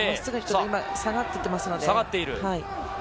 今、下がっていますので。